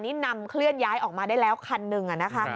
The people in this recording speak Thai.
นี่นำเคลื่อนย้ายออกมาได้แล้วคันหนึ่งนะคะ